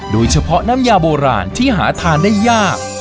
โดยเฉพาะน้ำยาโบราณที่หาทานได้ยาก